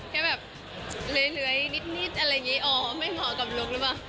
แค่แบบเลื้อยนิดอะไรอย่างนี้อ๋อไม่เหมาะกับลุคหรือเปล่า